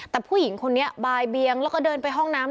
แต่ผู้หญิงคนนี้บายเบียงแล้วก็เดินไปห้องน้ำ